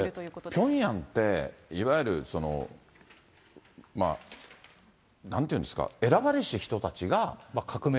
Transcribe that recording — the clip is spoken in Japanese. これピョンヤンって、いわゆるなんて言うんですか、選ばれし人たちが。